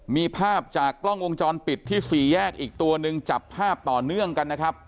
มีภาพจากกล้องวงจรปิดที่สี่แยกอีกตัวหนึ่งจับภาพต่อเนื่องกันนะครับ